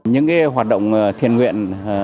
những hoạt động thiền nguyện